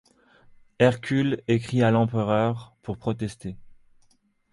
Hercule écrit à l’Empereur pour protester.